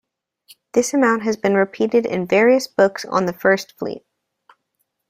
This amount has been repeated in various books on the First Fleet.